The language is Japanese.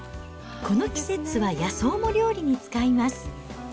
この季節は野草も料理に使います